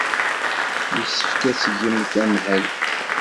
Yessefk ad tgemt tamhelt.